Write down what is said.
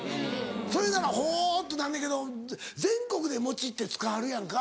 それならほうってなんねんけど全国で餅ってつかはるやんか。